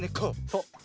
そう。